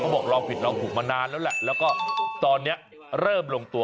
บอกลองผิดลองถูกมานานแล้วแหละแล้วก็ตอนนี้เริ่มลงตัว